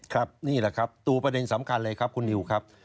นี่แหละครับตัวประเด็นสำคัญเลยครับคุณนิวครับ